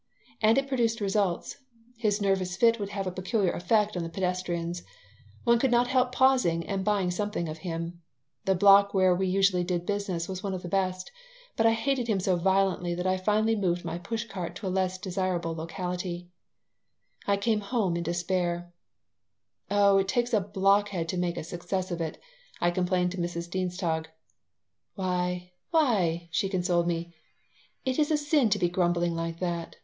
And it produced results. His nervous fit would have a peculiar effect on the pedestrians. One could not help pausing and buying something of him. The block where we usually did business was one of the best, but I hated him so violently that I finally moved my push cart to a less desirable locality I came home in despair "Oh, it takes a blockhead to make a success of it," I complained to Mrs. Dienstog "Why, why," she consoled me, "it is a sin to be grumbling like that.